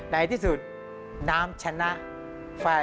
ไหนที่สุดน้ำชนะ